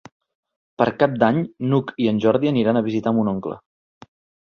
Per Cap d'Any n'Hug i en Jordi aniran a visitar mon oncle.